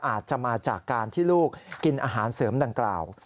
อาจจะมาจากการที่ลูกกินอาหารเสริมดังกล่าว